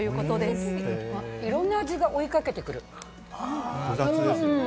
八角、オレンいろんな味が追いかけてくる。